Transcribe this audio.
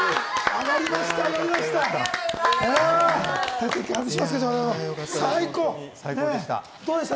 上がりました！